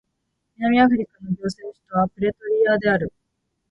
南アフリカの行政首都はプレトリアである